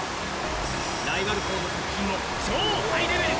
ライバル校の作品も超ハイレベル！